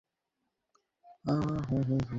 কলেজে যাচ্ছো, তাই না?